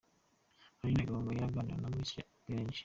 Aline Gahongayire aganira na Miss Bellange.